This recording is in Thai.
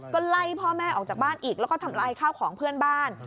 ก็ไล่พ่อแม่ออกจากบ้านอีกแล้วก็ทำลายข้าวของเพื่อนบ้าน